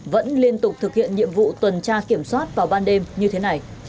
vẫn liên tục thực hiện nhiệm vụ tuần tra kiểm soát vào ban đêm như thế này